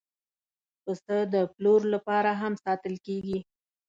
پسه د پلور لپاره هم ساتل کېږي.